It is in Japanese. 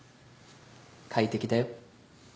快適だよ。